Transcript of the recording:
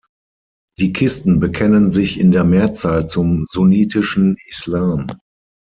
Die Kisten bekennen sich in der Mehrzahl zum sunnitischen Islam.